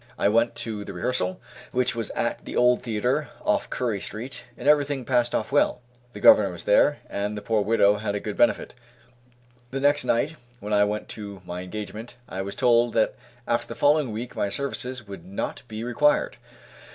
I went to the rehearsal, which was at the Old Theatre, off Currie street, and everything passed off well. The Governor was there, and the poor widow had a good benefit. The next night, when I went to my engagement, I was told that after the following week my services would not be required.